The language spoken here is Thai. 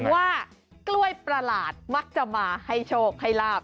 ว่ากล้วยประหลาดมักจะมาให้โชคให้ลาบ